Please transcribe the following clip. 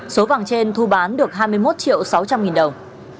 số vàng trên thu bán được hai mươi một sáu trăm linh đồng